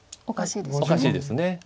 おかしいです。